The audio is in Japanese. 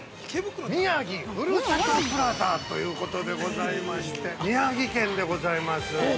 「宮城ふるさとプラザ」ということでございまして宮城県でございます。